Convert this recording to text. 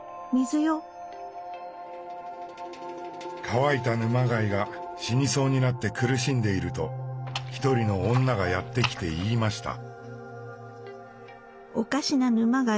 乾いた沼貝が死にそうになって苦しんでいると一人の女がやって来て言いました。